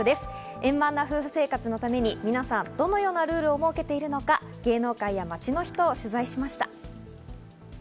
円満な夫婦生活のために皆さんとのどのようなルールを設けているのか、芸能界や街の人を取材しました。